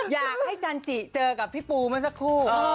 อยากให้จานจิเจอกับพี่ปูมาสักครู่